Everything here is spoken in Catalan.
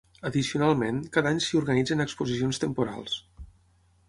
Addicionalment, cada any s'hi organitzen exposicions temporals.